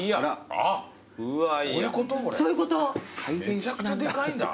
めちゃくちゃでかいんだ。